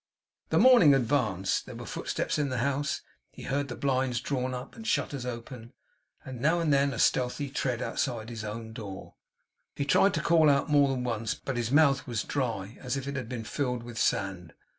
The morning advanced. There were footsteps in the house. He heard the blinds drawn up, and shutters opened; and now and then a stealthy tread outside his own door. He tried to call out, more than once, but his mouth was dry as if it had been filled with sand.